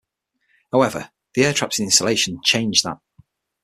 However, the air trapped in the insulation changed that.